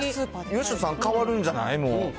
嘉人さん、変わるんじゃない？